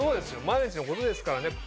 毎日のことですからね。